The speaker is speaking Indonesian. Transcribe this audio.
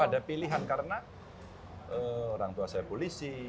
ada pilihan karena orang tua saya polisi